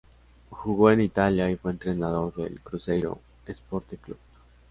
Jugó en Italia y fue entrenador del Cruzeiro Esporte Clube.